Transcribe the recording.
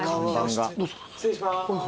失礼します。